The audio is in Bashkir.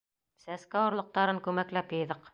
— Сәскә орлоҡтарын күмәкләп йыйҙыҡ.